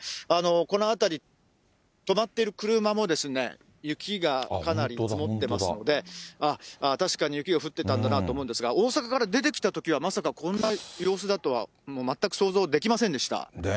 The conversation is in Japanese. この辺り、止まっている車も雪がかなり積もってますので、確かに雪が降ってたんだなと思うんですが、大阪から出てきたときは、まさかこんな様子だとは、全く想像できませんでした。